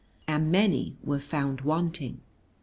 And many were found wanting.